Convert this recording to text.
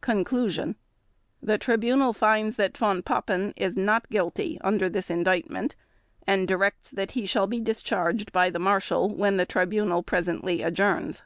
Conclusion The Tribunal finds that Von Papen is not guilty under this Indictment, and directs that he shall be discharged by the Marshal, when the Tribunal presently adjourns.